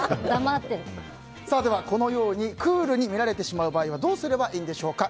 このようにクールに見られてしまう場合はどうすればいいんでしょうか。